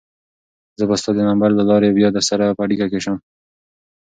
زه به ستا د نمبر له لارې بیا درسره په اړیکه کې شم.